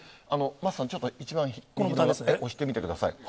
桝さん、ちょっと一番左、押してみてください。